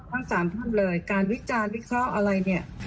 ทั้งสามท่านเลยการวิจารณ์วิเคราะห์อะไรเนี่ย